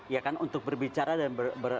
ya kan untuk berbicara dan ber